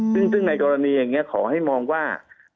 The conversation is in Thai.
ซึ่งในกรณีอย่างนี้ขอให้มองว่า